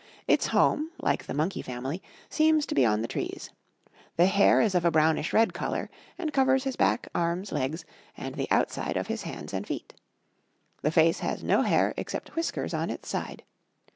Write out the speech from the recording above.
Its home, like the monkey family, seems to be on the trees. The hair is of a brownish red color, and covers his back, arms, legs, and the outside of his hands and feet. The face has no hair except whiskers on its side.